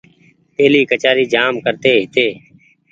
پيهلي ڪچآري جآم ڪرتي هيتي۔